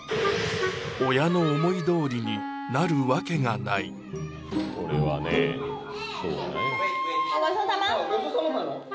親の思いどおりになるわけがないごちそうさまなの？